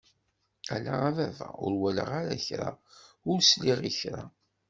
Ala a baba ur walaɣ kra, ur sliɣ i kra!